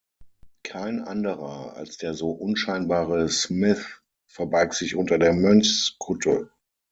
Kein anderer als der so unscheinbare Smith verbarg sich unter der Mönchskutte!